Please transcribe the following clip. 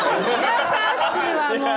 優しいわもう！